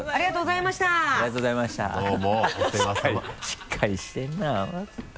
しっかりしてるなぁ。